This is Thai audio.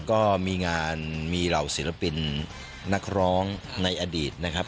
ก็มีงานมีเหล่าศิลปินนักร้องในอดีตนะครับ